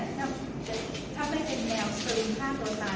ถ้าไม่เป็นแนวซึมถ้าตัวตาย